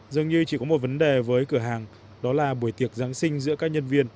dường như chỉ có một vấn đề với cửa hàng đó là buổi tiệc giáng sinh giữa các nhân viên